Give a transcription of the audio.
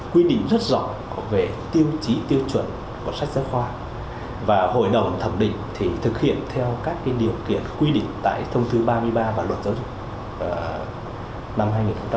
quy định rất rõ về tiêu chí tiêu chuẩn của sách giáo khoa và hội đồng thẩm định thì thực hiện theo các điều kiện quy định tại thông tư ba mươi ba và luật giáo dục năm hai nghìn một mươi